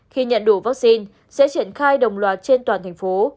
khi nhận đủ vaccine sẽ triển khai đồng loạt trên toàn thành phố